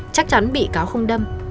chắc chắn bị cáo không đâm